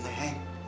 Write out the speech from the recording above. bukan anak wc neng